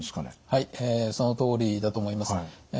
はいそのとおりだと思います。